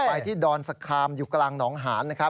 ไปที่ดอนสาขามอยู่กลางหนองหาญ